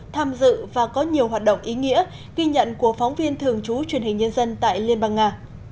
tham dự và có nhiều hoạt động ý nghĩa ghi nhận của phóng viên thường trú truyền hình nhân dân tại liên bang nga